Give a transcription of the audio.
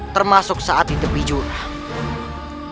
termasuk saat di tepi jurah